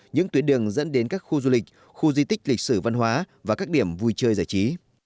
những tuyến đường dẫn đến các khu du lịch khu di tích lịch sử văn hóa và các điểm vui chơi giải trí